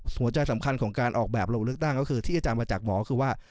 หัวใจสำคัญของการออกแบบลงเลือกตั้งก็คือที่อาจารย์ประจักษ์บอกคือว่า